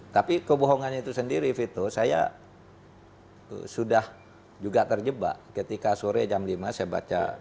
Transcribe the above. tapi kebohongan itu sendiri vito saya sudah juga terjebak ketika sore jam lima saya baca